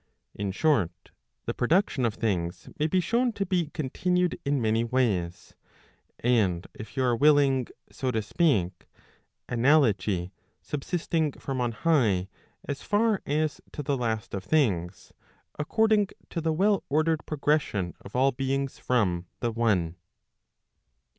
In short, the production of things may be shown to be continued in many ways; and if you are willing so to speak, analogy subsisting from on high as far as to the last of things, according to the well ordered progression of ail beings from the one.